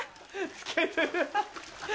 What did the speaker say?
つけてる。